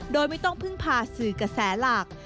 โดยไม่ต้องพึ่งพาสื่อกระแสหลัก